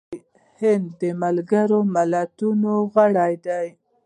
هند د ملګرو ملتونو غړی دی.